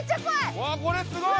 うわこれすごい！